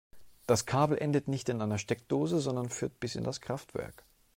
Das Kabel endet nicht in einer Steckdose, sondern führt bis in das Kraftwerk.